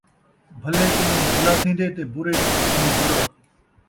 بھلے کنوں بھلا تھیندے تے برے کنوں برا